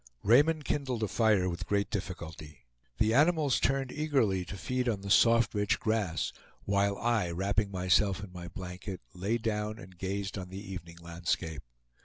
Raymond kindled a fire with great difficulty. The animals turned eagerly to feed on the soft rich grass, while I, wrapping myself in my blanket, lay down and gazed on the evening landscape.